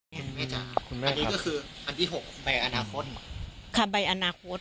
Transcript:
คุณแม่จ้ะคุณแม่ครับอันนี้ก็คืออันที่หกใบอนาคต